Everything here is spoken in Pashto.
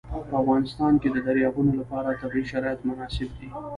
په افغانستان کې د دریابونه لپاره طبیعي شرایط مناسب دي.